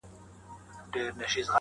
که کله د عامه پیسو د ضایع کولو